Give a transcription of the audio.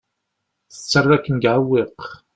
Tettarra-kem deg uɛewwiq.